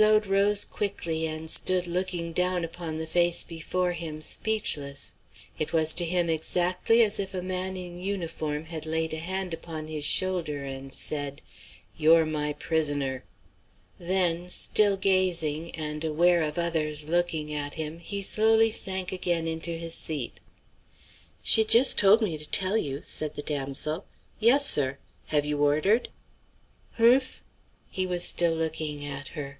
Claude rose quickly and stood looking upon the face before him, speechless. It was to him exactly as if a man in uniform had laid a hand upon his shoulder and said, "You're my prisoner." Then, still gazing, and aware of others looking at him, he slowly sank again into his seat. "She just told me to tell you," said the damsel. "Yes, sir. Have you ordered?" "Humph?" He was still looking at her.